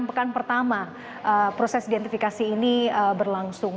pekan pertama proses identifikasi ini berlangsung